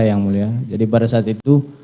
yang mulia jadi pada saat itu